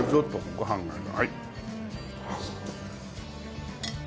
ご飯がはい。